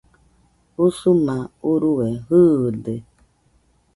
Usuma urue jɨɨde